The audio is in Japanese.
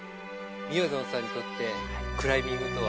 みやぞんさんにとって、クライミングとは？